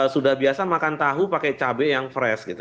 sudah biasa makan tahu pakai cabai yang fresh gitu